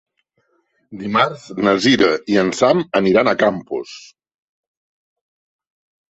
Dimarts na Cira i en Sam aniran a Campos.